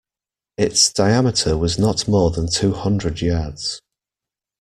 Its diameter was not more than two hundred yards.